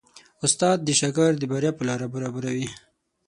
استاد د شاګرد د بریا لاره برابروي.